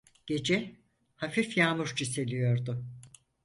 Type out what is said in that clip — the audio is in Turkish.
Gece, hafif yağmur çiseliyordu.